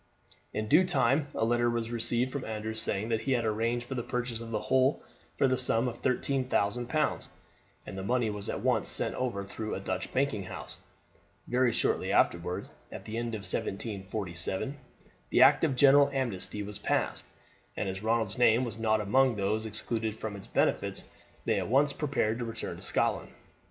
In due time a letter was received from Andrew saying that he had arranged for the purchase of the whole for the sum of thirteen thousand pounds, and the money was at once sent over through a Dutch banking house. Very shortly afterwards, at the end of 1747, the act of general amnesty was passed, and as Ronald's name was not among those excluded from its benefits they at once prepared to return to Scotland.